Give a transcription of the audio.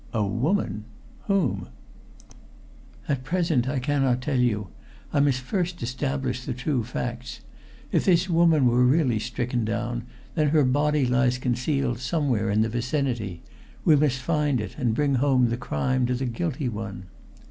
"A woman! Whom?" "At present I cannot tell you. I must first establish the true facts. If this woman were really stricken down, then her body lies concealed somewhere in the vicinity. We must find it and bring home the crime to the guilty one."